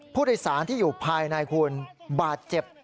ผู้โดยสารที่อยู่ภายในคุณบาดเจ็บ